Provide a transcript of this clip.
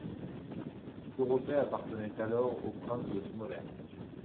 Toropets appartenait alors aux princes de Smolensk.